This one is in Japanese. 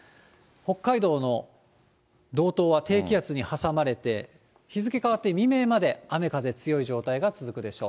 北海道の道東は低気圧に挟まれて、日付変わって未明まで雨風強い状態が続くでしょう。